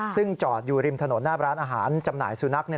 ซึ่งจอดอยู่ริมถนนหน้าร้านอาหารจำหน่ายสุนัข